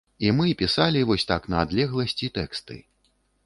І мы пісалі вось так на адлегласці тэксты.